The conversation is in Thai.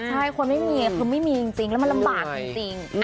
ใช่คนไม่มีคือไม่มีจริงแล้วมันลำบากจริง